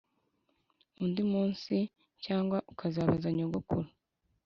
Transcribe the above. undi munsi cyangwa ukazabaza nyogokuru